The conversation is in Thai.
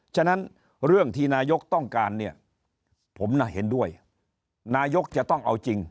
ฉะนั้นเรื่องที่นายกต้องการเนี่ยผมน่ะเห็นด้วยนายกจะต้องเอาจริง